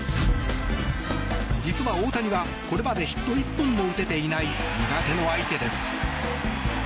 実は大谷はこれまでヒット１本も打てていない苦手の相手です。